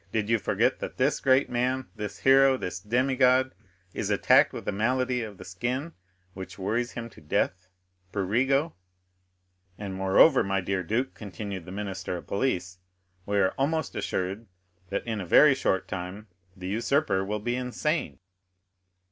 Did you forget that this great man, this hero, this demigod, is attacked with a malady of the skin which worries him to death, prurigo?" "And, moreover, my dear duke," continued the minister of police, "we are almost assured that, in a very short time, the usurper will be insane."